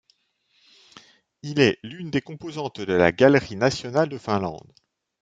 Il est l'une des composantes de la Galerie nationale de Finlande.